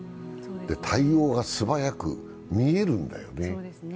対応が素早く見えるんだよね。